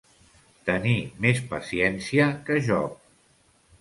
Tenir més paciència que Job.